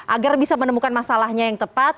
agar bisa menemukan masalahnya yang tepat